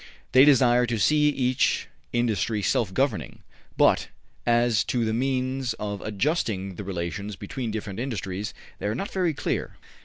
They desire to see each industry self governing, but as to the means of adjusting the relations between different industries, they are not very clear.